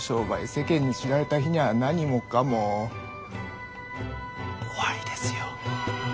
世間に知られた日にゃ何もかも終わりですよ。